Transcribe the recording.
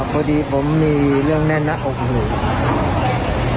พอดีผมมีเรื่องแน่นหน้าอกอยู่